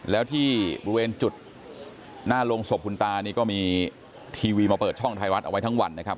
แล้วที่บริเวณจุดหน้าโรงศพคุณตานี่ก็มีทีวีมาเปิดช่องไทยรัฐเอาไว้ทั้งวันนะครับ